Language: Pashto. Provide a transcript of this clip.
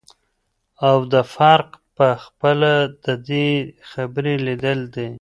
او دافرق په خپله ددي خبري دليل دى